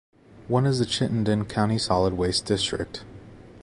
One is the Chittenden County Solid Waste District.